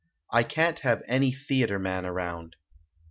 I can't have any theatre man around".